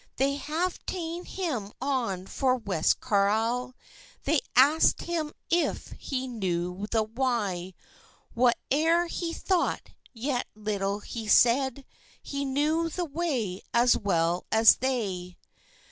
They have tane him on for West Carlisle; They ask'd him if he knew the why? Whate'er he thought, yet little he said; He knew the way as well as they.